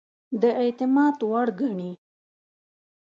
د اعتماد وړ ګڼي.